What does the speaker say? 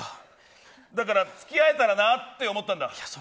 だから付き合えたらなって思ったんだ。